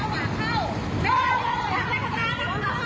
หวานเข้าไปข้างในค่ะ